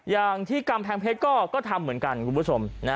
อย่างที่กำแพงเพชรก็ทำเหมือนกัน